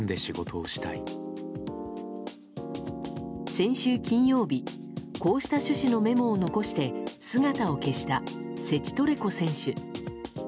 先週金曜日こうした主旨のメモを残して姿を消した、セチトレコ選手。